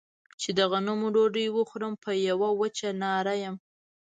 چې د غنمو ډوډۍ وخورم په يوه وچه ناره يم.